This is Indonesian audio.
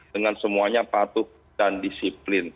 dengan semuanya patuh dan disiplin